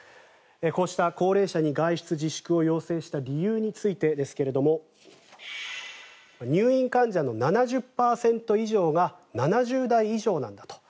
こうした高齢者に外出自粛を要請した理由についてですが入院患者の７０％以上が７０代以上なんだと。